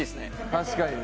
確かにね。